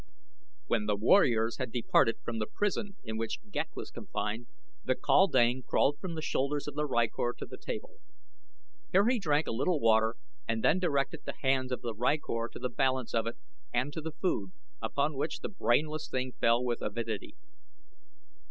When the warriors had departed from the prison in which Ghek was confined, the kaldane crawled from the shoulders of the rykor to the table. Here he drank a little water and then directed the hands of the rykor to the balance of it and to the food, upon which the brainless thing fell with avidity.